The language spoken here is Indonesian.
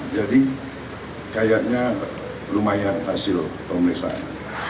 jadi kayaknya lumayan hasil pemeriksaan